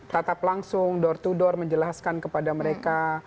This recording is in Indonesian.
tatap langsung door to door menjelaskan kepada mereka